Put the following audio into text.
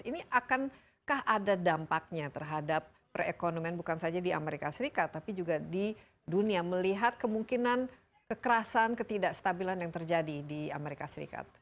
ini akan kah ada dampaknya terhadap perekonomian bukan saja di as tapi juga di dunia melihat kemungkinan kekerasan ketidakstabilan yang terjadi di as